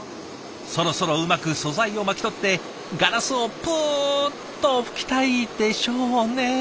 そろそろうまく素材を巻き取ってガラスをぷっと吹きたいでしょうね。